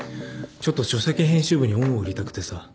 ちょっと書籍編集部に恩を売りたくてさ。